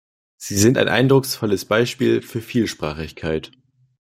Sie sind ein eindrucksvolles Beispiel für Vielsprachigkeit.